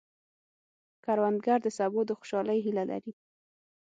کروندګر د سبو د خوشحالۍ هیله لري